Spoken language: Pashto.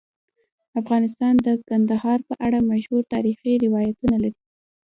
افغانستان د کندهار په اړه مشهور تاریخی روایتونه لري.